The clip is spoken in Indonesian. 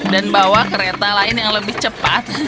dan bawa kereta lain yang lebih cepat